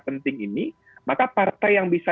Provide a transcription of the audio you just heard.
penting ini maka partai yang bisa